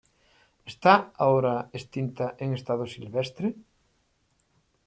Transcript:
Está ahora extinta en estado silvestre.